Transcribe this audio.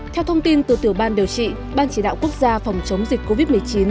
theo thông tin từ tiểu ban điều trị ban chỉ đạo quốc gia phòng chống dịch covid một mươi chín